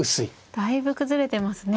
だいぶ崩れてますね。